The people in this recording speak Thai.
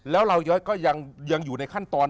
แล้วเราก็ยังอยู่ในขั้นตอน